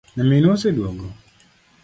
Nyaminu oseduogo?'